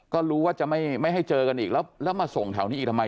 ก็รู้ว่าจะไม่ให้เจอกันอีกแล้วแล้วมาส่งแถวนี้อีกทำไม